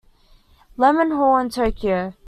Lemon Hall in Tokyo.